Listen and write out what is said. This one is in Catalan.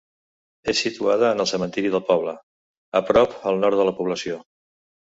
És situada en el cementiri del poble, a prop al nord de la població.